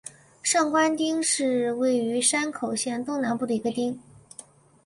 上关町是位于山口县东南部的一町。